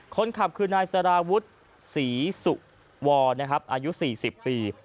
คนขับคือนายสารวุฒิศรีสุวรอายุ๔๐ปี